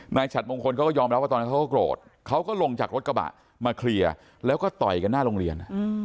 ฉัดมงคลเขาก็ยอมรับว่าตอนนั้นเขาก็โกรธเขาก็ลงจากรถกระบะมาเคลียร์แล้วก็ต่อยกันหน้าโรงเรียน